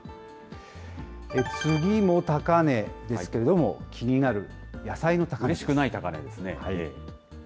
次も高値ですけれども、気になる野菜の高値です。